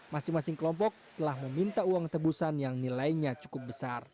masing masing kelompok telah meminta uang tebusan yang nilainya cukup besar